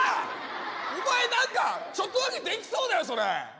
お前何かちょっとだけできそうだよそれ。